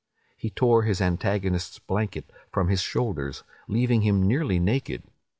He tore his antagonist's blanket from his shoulders, leaving him nearly naked.